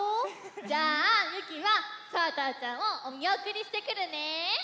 じゃあゆきはさぁたぁちゃんをおみおくりしてくるね。